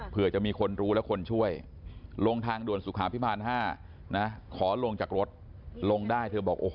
เผื่อจะมีคนรู้และคนช่วยลงทางด่วนสุขาพิพาณห้าขอลงจากรถลงได้